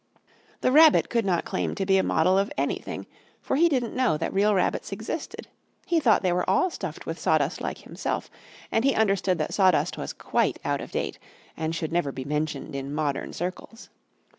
The Rabbit could not claim to be a model of anything, for he didn't know that real rabbits existed; he thought they were all stuffed with sawdust like himself, and he understood that sawdust was quite out of date and should never be mentioned in modern circles.